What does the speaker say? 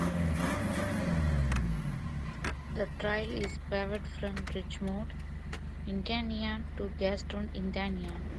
This trail is paved from Richmond, Indiana to Gaston, Indiana.